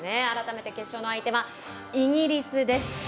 改めて決勝の相手はイギリスです。